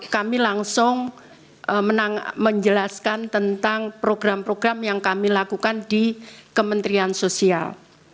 kami langsung menjelaskan tentang program program yang kami lakukan di kementerian sosial